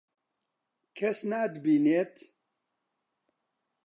کەس ناتبینێت.